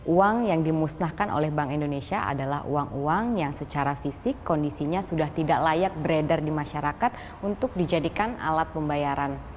uang yang dimusnahkan oleh bank indonesia adalah uang uang yang secara fisik kondisinya sudah tidak layak beredar di masyarakat untuk dijadikan alat pembayaran